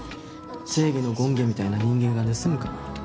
正義の権化みたいな人間が盗むかな？